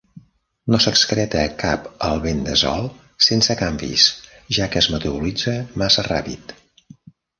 No s'excreta cap albendazol sense canvis, ja que es metabolitza massa ràpid.